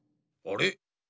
あれ？